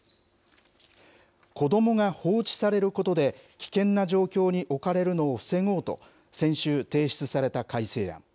子どもが放置されることで危険な状況に置かれるのを防ごうと、先週提出された改正案。